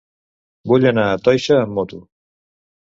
Vull anar a Toixa amb moto.